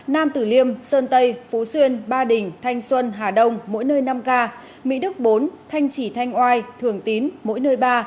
nam tử liêm sơn tây phú xuyên ba đình thanh xuân hà đông mỗi nơi năm ca mỹ đức bốn thanh trì thanh oai thường tín mỗi nơi ba